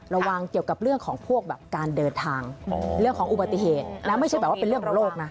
ระวังเกี่ยวกับเรื่องของพวกแบบการเดินทางเรื่องของอุบัติเหตุแล้วไม่ใช่แบบว่าเป็นเรื่องระโลกนะ